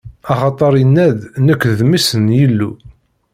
Axaṭer inna-d: Nekk, d Mmi-s n Yillu.